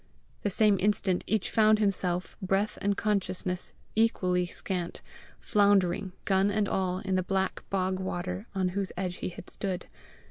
The same instant each found himself, breath and consciousness equally scant, floundering, gun and all, in the black bog water on whose edge he had stood.